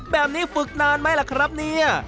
แบบนี้ฝึกนานไหมล่ะครับเนี่ย